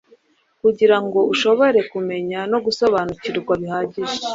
kugira ngo ushobore kumenya no gusobanukirwa bihagije